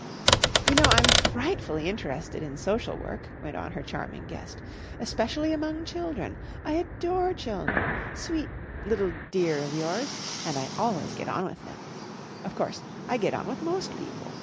"You know, I'm frightfully interested in social work," went on her charming guest, "especially among children. I adore children! Sweet little dear of yours! And I always get on with them. Of course, I get on with most people.